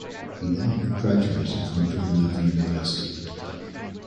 He then graduated from Villanova University.